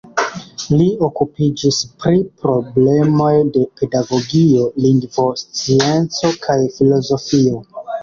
Li okupiĝis pri problemoj de pedagogio, lingvoscienco kaj filozofio.